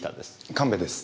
神戸です。